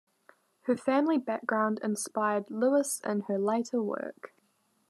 Her family background inspired Lewis in her later work.